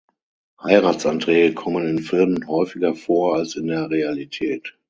Heiratsanträge kommen in Filmen häufiger vor als in der Realität.